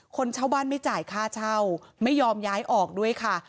คนเช่าบ้านไม่จ่ายค่าเช่าไม่ยอมย้ายออกด้วยค่ะ